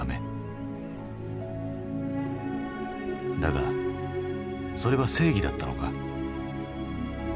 だがそれは正義だったのか？